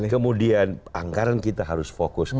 kemudian anggaran kita harus fokus